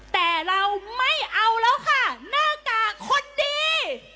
แต่เราไม่เอาแล้วค่ะหน้ากากคนดี